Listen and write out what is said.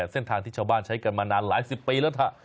เส้นทางที่ชาวบ้านใช้กันมานานหลายสิบปีแล้ว